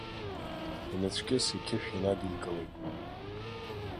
Инацәкьыс иқьышә инадикылеит.